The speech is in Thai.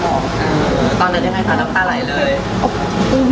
ตอนนั้นยังไงคะน้ำตาไหลเลย